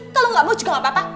kalau nggak mau juga gak apa apa